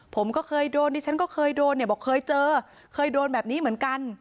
ผมก็เคยโดนดิฉันก็เคยโดนเนี่ยบอกเคยเจอเคยโดนแบบนี้เหมือนกัน